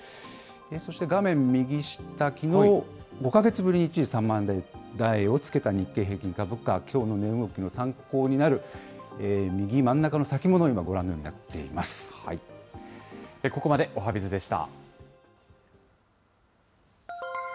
そして画面右下、きのう、５か月ぶりに一時３万円台をつけた日経平均株価、きょうのニューヨークの参考になる、右真ん中の先物、今、ご覧のようになっていここまで、おはＢｉｚでした。